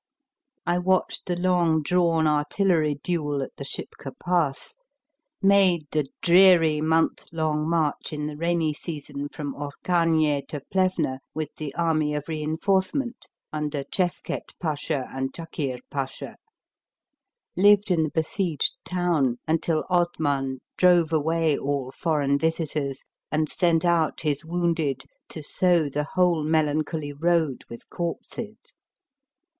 I watched the long drawn artillery duel at the Shipka Pass, made the dreary month long march in the rainy season from Orkhanie to Plevna, with the army of reinforcement, under Chefket Pasha and Chakir Pasha, lived in the besieged town until Osman drove away all foreign visitors, and sent out his wounded to sow the whole melancholy road with corpses.